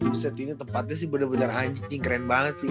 omsetyo ini tempatnya sih bener bener anjing keren banget sih